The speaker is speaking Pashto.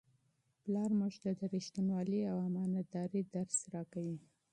پلار موږ ته د رښتینولۍ او امانتدارۍ درس راکوي.